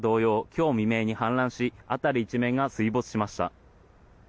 今日未明に氾濫し辺り一面が水没しました。